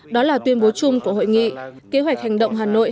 đó là tuyên bố của các nước gms các nước gms các nước gms các nước gms các nước gms